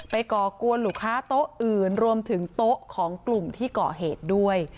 ก่อกวนลูกค้าโต๊ะอื่นรวมถึงโต๊ะของกลุ่มที่ก่อเหตุด้วย